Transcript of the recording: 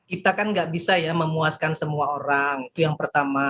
kita kan nggak bisa ya memuaskan semua orang itu yang pertama